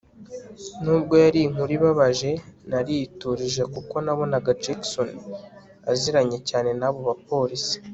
Nubwo yari inkuru ibabaje nariturije kuko nabonaga Jackson aziranye cyane nabo ba police